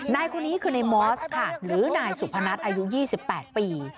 นายคนนี้คือในมอสค่ะหรือนายสุพนัทอายุ๒๘ปี